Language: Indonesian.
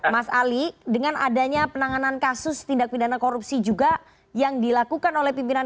mas ali dengan adanya penanganan kasus tindak pidana korupsi juga yang dilakukan oleh pimpinan